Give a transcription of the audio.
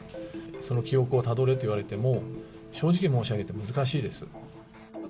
その記憶をたどれと言われても、正直申し上げて難しいです。